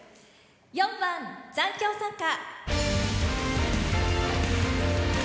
４番「残響散歌」。